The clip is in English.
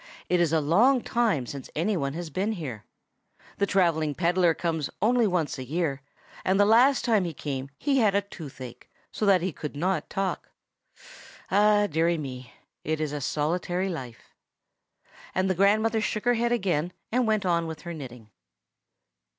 It is a long time since any one has been here. The travelling pedler comes only once a year, and the last time he came he had a toothache, so that he could not talk. Ah, deary me! it's a solitary life." And the grandmother shook her head again, and went on with her knitting.